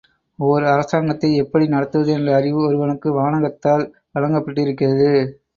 ஓர் அரசாங்கத்தை எப்படி நடத்துவது என்ற அறிவு ஒருவனுக்கு வானகத்தால் வழங்கப்பட்டிருக்கிறது.